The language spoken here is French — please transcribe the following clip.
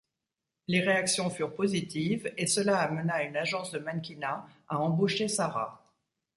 Les réactions furent positives et cela amena une agence de mannequinat à embaucher Sarah.